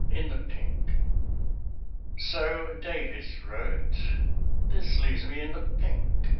IN THE PINK So Davies wrote: "This leaves me in the pink."